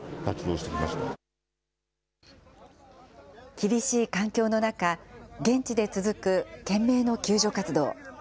厳しい環境の中、現地で続く懸命の救助活動。